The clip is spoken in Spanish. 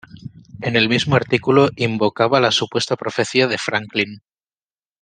En el mismo artículo invocaba la supuesta Profecía de Franklin.